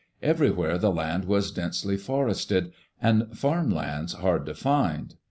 Everywhere the land was densely forested, and farm lands hard to find.